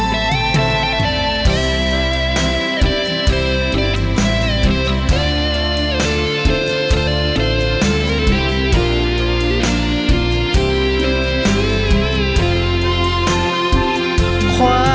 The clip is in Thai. ผู้ใจช่วยไว้